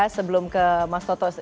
sebelum ke mas toto